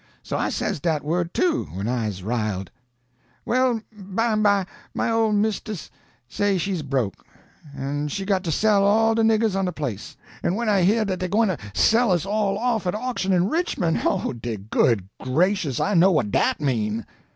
So I says dat word, too, when I's riled. "Well, bymeby my ole mistis say she's broke, an' she got to sell all de niggers on de place. An' when I heah dat dey gwyne to sell us all off at oction in Richmon', oh, de good gracious! I know what dat mean!"